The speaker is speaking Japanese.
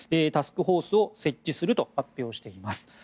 タスクフォースを設置すると発表しています。